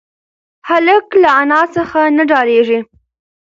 هلک له انا څخه نه ډارېږي.